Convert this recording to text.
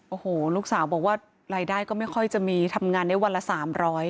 โอ้โหลูกสาวบอกว่ารายได้ก็ไม่ค่อยจะมีทำงานได้วันละ๓๐๐